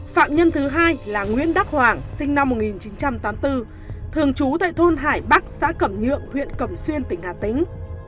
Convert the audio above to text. phạm nhân thứ hai là nguyễn đắc hoàng sinh năm một nghìn chín trăm tám mươi bốn thường trú tại thôn hải bắc xã cẩm nhượng huyện cẩm xuyên tỉnh hà tĩnh